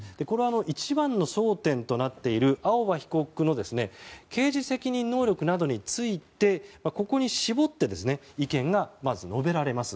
一番の争点となっている青葉被告の刑事責任能力などについてここに絞って意見が述べられます。